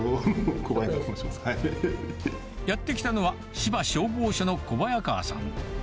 やって来たのは、芝消防署の小早川さん。